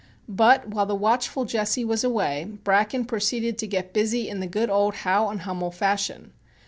But while the watchful Jesse was away, Bracken proceeded to get busy in the good old Howe and Hummel fashion.